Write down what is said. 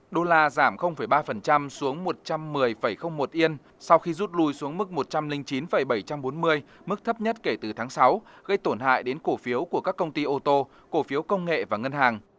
đô la giảm ba xuống một trăm một mươi một yên sau khi rút lui xuống mức một trăm linh chín bảy trăm bốn mươi mức thấp nhất kể từ tháng sáu gây tổn hại đến cổ phiếu của các công ty ô tô cổ phiếu công nghệ và ngân hàng